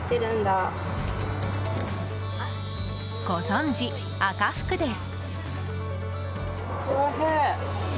ご存じ、赤福です。